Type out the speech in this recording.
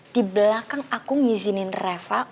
di belakang aku ngizinin reva